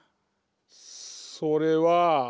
それは。